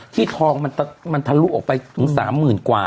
ที่ทองมันทะลุออกไปถึง๓หมื่นกว่า